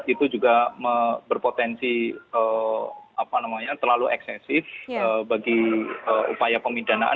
itu juga berpotensi terlalu eksesif bagi upaya pemidanaan